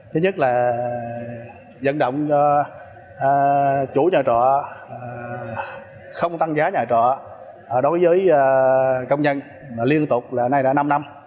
thứ nhất là dẫn động chủ nhà trọ không tăng giá nhà trọ đối với công nhân liên tục là nay đã năm năm